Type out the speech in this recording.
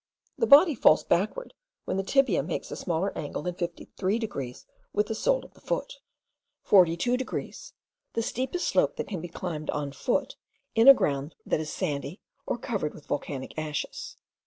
The body falls backwards when the tibia makes a smaller angle than 53 degrees with the sole of the foot; 42 degrees, the steepest slope that can be climbed on foot in a ground that is sandy, or covered with volcanic ashes.